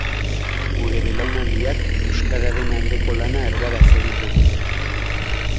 Gure belaunaldiak euskararen aldeko lana erdaraz egin du.